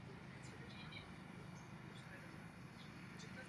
Znalost tohoto klíče slouží k prokázání identity dané entity.